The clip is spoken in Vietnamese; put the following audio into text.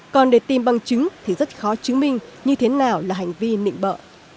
còn để tìm bằng chứng thì rất khó chứng minh như thế nào là hành vi nịnh bợ